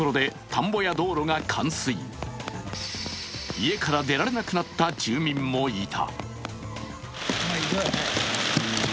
家から出られなくなった住民もいた。